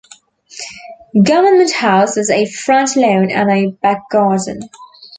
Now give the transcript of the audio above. Government House has a front lawn and a back garden.